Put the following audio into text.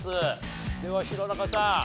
では弘中さん。